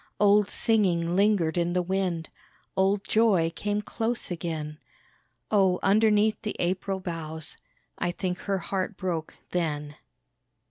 Old singing lingered in the wind, Old joy came close again, Oh, underneath the April boughs, I think her heart broke then.